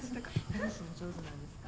ダンスも上手なんですか？